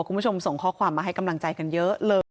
คุณผู้ชมส่งข้อความมาให้กำลังใจกันเยอะเลย